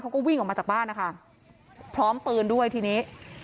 เขาก็วิ่งออกมาจากบ้านนะคะพร้อมปืนด้วยทีนี้